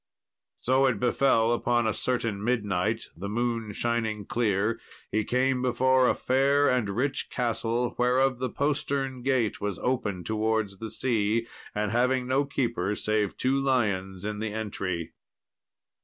So it befell upon a certain midnight, the moon shining clear, he came before a fair and rich castle, whereof the postern gate was open towards the sea, having no keeper save two lions in the entry.